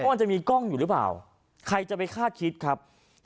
มันจะมีกล้องอยู่หรือเปล่าใครจะไปคาดคิดครับ